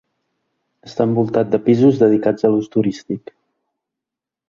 Està envoltat de pisos dedicats a l’ús turístic.